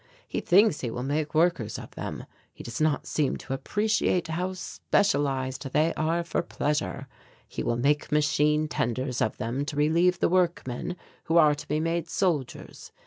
"He thinks he will make workers of them. He does not seem to appreciate how specialized they are for pleasure. He will make machine tenders of them to relieve the workmen, who are to be made soldiers.